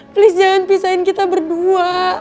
please jangan pisahin kita berdua